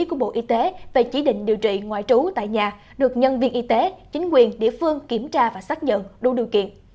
của bộ y tế về chỉ định điều trị ngoại trú tại nhà được nhân viên y tế chính quyền địa phương kiểm tra và xác nhận đủ điều kiện